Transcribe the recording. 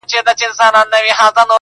بيزو وان پكښي تنها ولاړ هك پك وو٫